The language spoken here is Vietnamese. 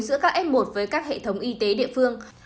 giữa các f một với các hệ thống y tế địa phương